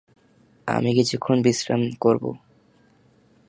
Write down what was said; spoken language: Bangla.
আমি কিছুক্ষণ বিশ্রাম করবো।